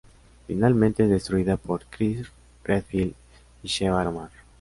Finalmente es destruida por Chris Redfield y Sheva Alomar.